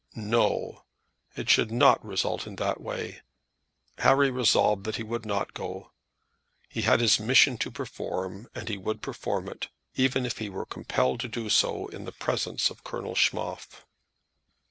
No! It should not result in that way. Harry resolved that he would not go. He had his mission to perform and he would perform it, even if he were compelled to do so in the presence of Colonel Schmoff.